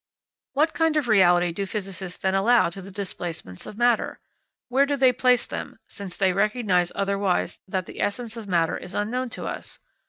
What kind of reality do physicists then allow to the displacements of matter? Where do they place them, since they recognise otherwise that the essence of matter is unknown to us?